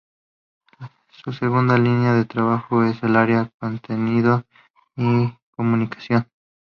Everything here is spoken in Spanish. Su segunda línea de trabajo es el área de Contenidos y Comunicación.